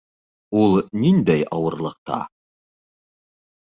Ул ниндәй ауырлыҡта?